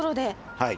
はい。